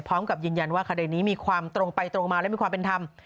พร้อมกับยืนยันว่าคดีนี้มีความตรงไปตรงมาและมีความเป็นธรรม